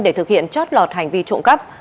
để thực hiện chót lọt hành vi trộm cắp